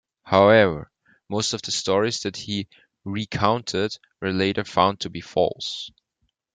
However, most of the stories that he "recounted" were later found to be false.